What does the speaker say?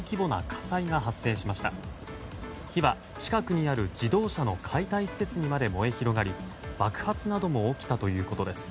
火は、近くにある自動車の解体施設にまで燃え広がり爆発なども起きたということです。